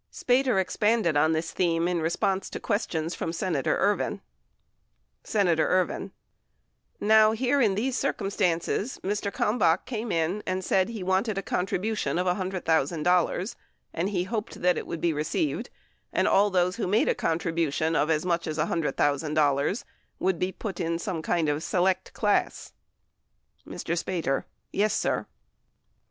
Spater expanded on this theme in response to ques tions from Senator Ervin. Senator Ervin. Now here in these circumstances, Mr. Kalmbach came in and said he wanted a contribution of $100,000 and he hoped that it would be received and all those who made a contribution of as much as $100,000 would be put in some kind of a select class. Mr. Spater. Yes, sir.